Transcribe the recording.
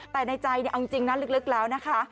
แต่ในใจเอาจริงนะลึกแล้วนะคะ